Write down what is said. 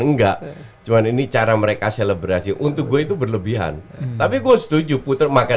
enggak cuman ini cara mereka selebrasi untuk gue itu berlebihan tapi gue setuju puter makan